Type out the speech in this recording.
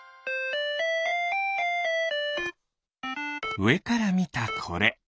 うえからみたこれ。